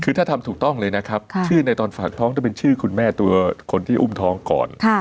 คือถ้าทำถูกต้องเลยนะครับชื่อในตอนฝากท้องต้องเป็นชื่อคุณแม่ตัวคนที่อุ้มท้องก่อน